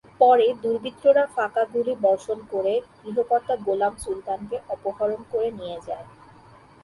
পরে দুর্বৃত্তরা ফাঁকা গুলি বর্ষণ করে গৃহকর্তা গোলাম সুলতানকে অপহরণ করে নিয়ে যায়।